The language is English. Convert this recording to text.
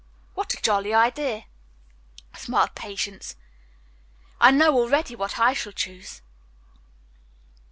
'" "What a jolly idea," smiled Patience. "I know already what I shall choose."